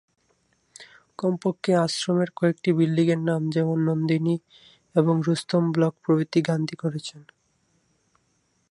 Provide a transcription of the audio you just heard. কমপক্ষে আশ্রমের কয়েকটি বিল্ডিংয়ের নাম যেমন নন্দিনী, এবং রুস্তম ব্লক প্রভৃতি গান্ধী করেছেন।